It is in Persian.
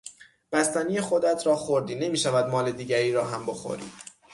بستنی خودت را خوردی، نمیشود مال دیگری را هم بخوری!